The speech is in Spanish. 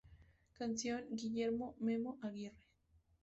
Canción: Guillermo "Memo" Aguirre.